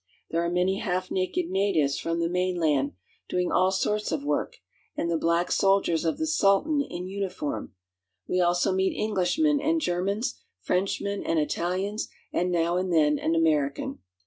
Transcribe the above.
There are many half naked natives from the mainland, doing all sorts of work, and the black soldiers of the Sultan in uniform. We also meet English men and Germans, Frenchmen and Italians, and now and then an American.